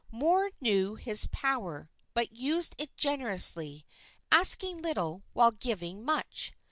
Moor knew his power, but used it generously, asking little while giving much.